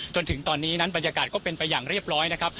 จนถึงตอนนี้นั้นบรรยากาศก็เป็นไปอย่างเรียบร้อยนะครับ